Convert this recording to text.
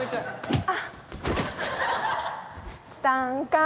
あっ！